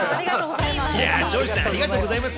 いやー、上司さんありがとうございます。